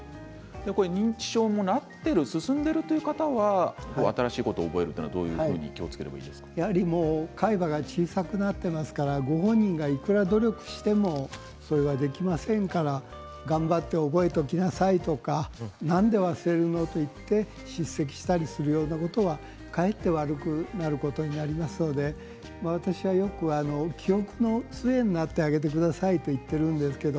認知症になっている進んでいるという方は新しいことを覚えるのはどういうことを気をつければ海馬が小さくなってますからご本人がいくら努力してもそれは、できませんから頑張って覚えておきなさいとかなんで忘れるのと言って叱責したりすることはかえって悪くなることになりますので私はよく記憶のつえになってくださいと言っています。